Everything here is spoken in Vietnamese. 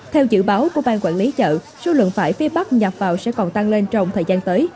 theo dự báo của bang quản lý chợ số lượng vải phía bắc nhập vào sẽ còn tăng lên trong thời gian tới